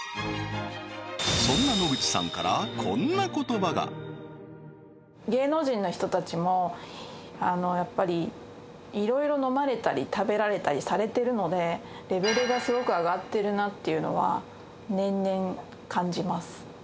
そんな野口さんからやっぱり色々飲まれたり食べられたりされてるのでレベルがすごく上がってるなっていうのは年々感じます